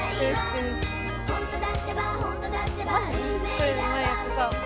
これ前やってた。